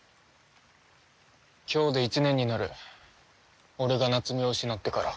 今日で１年になる俺が夏美を失ってから。